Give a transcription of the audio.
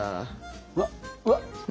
うわっうわっ！